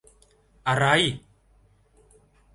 อะไร !